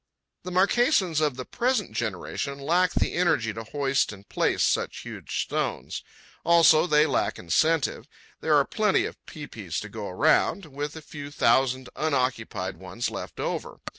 The Marquesans of the present generation lack the energy to hoist and place such huge stones. Also, they lack incentive. There are plenty of pae paes to go around, with a few thousand unoccupied ones left over.